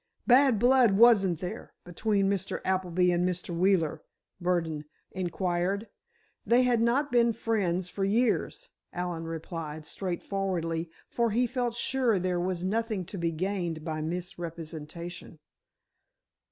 "Bad blood, wasn't there, between Mr. Appleby and Mr. Wheeler?" Burdon inquired. "They had not been friends for years," Allen replied, straightforwardly, for he felt sure there was nothing to be gained by misrepresentation.